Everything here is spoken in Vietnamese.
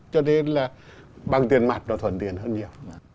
cho nên là bằng tiền mặt nó thuận tiền hơn nhiều